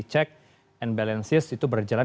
check and balances itu berjalan